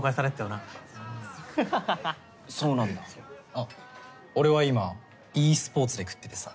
あっ俺は今ｅスポーツで食っててさ。